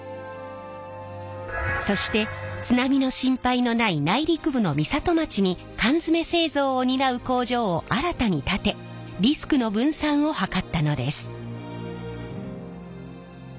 そして津波の心配のない内陸部の美里町に缶詰製造を担う工場を新たに建てリスクの分散を図ったのです。